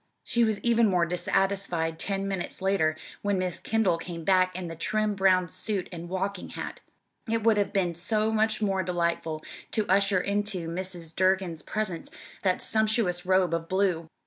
She was even more dissatisfied ten minutes later when Miss Kendall came back in the trim brown suit and walking hat it would have been so much more delightful to usher into Mrs. Durgin's presence that sumptuous robe of blue!